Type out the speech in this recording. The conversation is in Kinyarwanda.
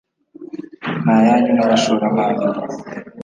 ni ayanyu n’abashoramari